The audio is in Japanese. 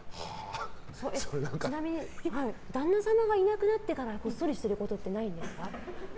ちなみに旦那様がいなくなってからこっそりすることってないですか？